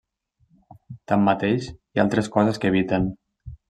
Tanmateix, hi ha altres coses que eviten.